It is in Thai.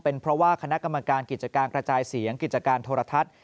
เป็นเพราะว่าคณะกรรมการกิจการกระจายเสียงกิจการโทรทัศน์